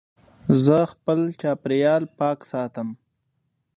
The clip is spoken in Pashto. زه خپل چاپېریال پاک ساتم.